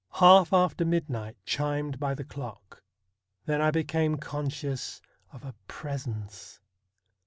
Half after midnight chimed by the clock. Then I became conscious of a presence.